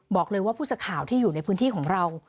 บอกเลยว่าผู้สื่อข่าวที่อยู่ในพื้นที่ของเรา